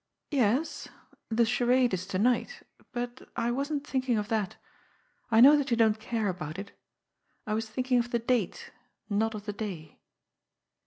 " Yes, the * Charade ' is to night. But I wasn't think ing of that. I know that you don't care about it. I was thinking of the date, not of the day."